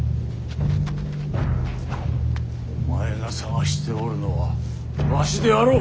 お前が捜しておるのはわしであろう！